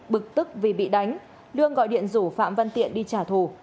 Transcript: bực tức vì bị đánh lương gọi điện rủ phạm văn tiện đi trả thù